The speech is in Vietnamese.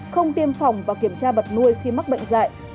không tiêm phòng và kiểm tra vật nuôi khi mắc bệnh dạy